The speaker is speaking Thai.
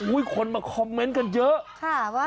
อุ๊ยคนมาคอมเมนต์กันเยอะค่ะว่า